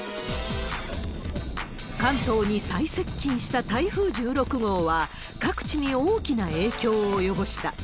関東に最接近した台風１６号は、各地に大きな影響を及ぼした。